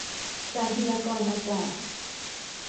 การพยากรณ์อากาศ